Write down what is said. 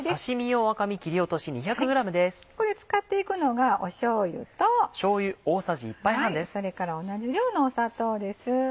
これ使っていくのがしょうゆとそれから同じ量の砂糖です。